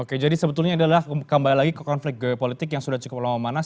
oke jadi sebetulnya adalah kembali lagi ke konflik geopolitik yang sudah cukup lama memanas